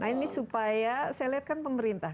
nah ini supaya saya lihat kan pemerintah